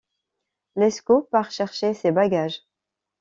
Lescaut part chercher ses bagages.